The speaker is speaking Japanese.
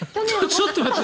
ちょっと待って。